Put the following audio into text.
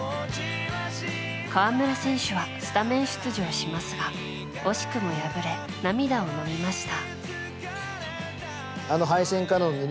河村選手はスタメン出場しますが惜しくも敗れ、涙をのみました。